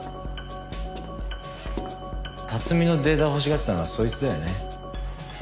辰巳のデータを欲しがってたのはそいつだよね？